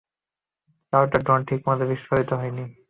চারটা ড্রোন ঠিকমত বিস্ফোরিত হয়নি!